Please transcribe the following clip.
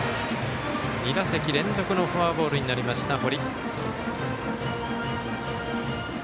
２打席連続のフォアボールになりました、堀。